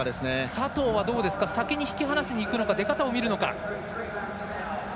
佐藤は先に引き離しにいくのか出方を見るのか。